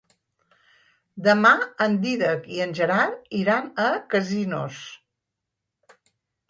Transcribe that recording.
Demà en Dídac i en Gerard iran a Casinos.